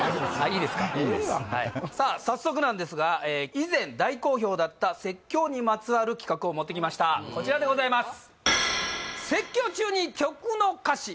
いいですさあ早速なんですが以前大好評だった説教にまつわる企画を持ってきましたこちらでございます